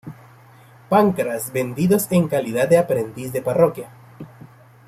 Pancras vendidos en calidad de aprendiz de parroquia.